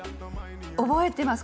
覚えてます